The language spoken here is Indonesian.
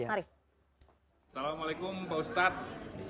assalamualaikum pak ustadz